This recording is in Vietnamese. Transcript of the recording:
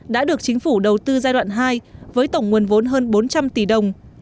đã được chính phủ đầu tư giai đoạn hai với tổng nguồn vốn hơn bốn trăm linh tỷ đồng